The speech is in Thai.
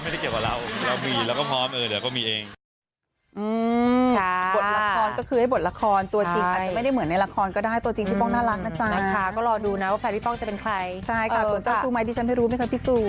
ไม่เกี่ยวนี่เค้ามีก็ไม่ได้เกี่ยวกับเราเรามีเราก็พร้อมเดี๋ยวก็มีเอง